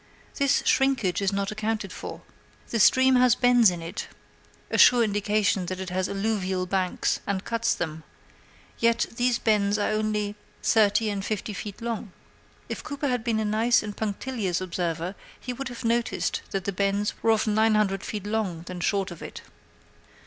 This shrinkage is not accounted for. The stream has bends in it, a sure indication that it has alluvial banks and cuts them; yet these bends are only thirty and fifty feet long. If Cooper had been a nice and punctilious observer he would have noticed that the bends were oftener nine hundred feet long than short of it.